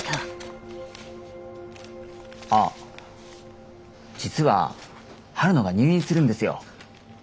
☎あ実は晴野が入院するんですよ。